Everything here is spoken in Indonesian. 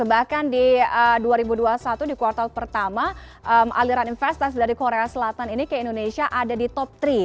bahkan di dua ribu dua puluh satu di kuartal pertama aliran investasi dari korea selatan ini ke indonesia ada di top tiga